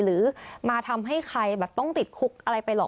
หรือมาทำให้ใครแบบต้องติดคุกอะไรไปหรอก